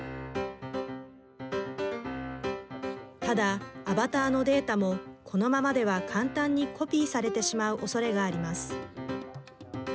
ただ、アバターのデータもこのままでは簡単にコピーされてしまうおそれがあります。